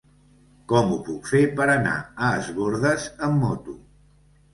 Com ho puc fer per anar a Es Bòrdes amb moto?